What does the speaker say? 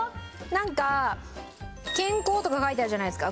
なんか「けんこう」とか書いてあるじゃないですか。